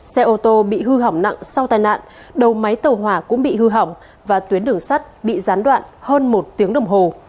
xe ô tô bị hư hỏng nặng sau tai nạn đầu máy tàu hỏa cũng bị hư hỏng và tuyến đường sắt bị gián đoạn hơn một tiếng đồng hồ